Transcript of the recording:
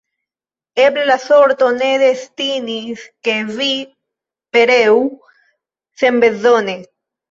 Eble, la sorto ne destinis, ke vi pereu senbezone.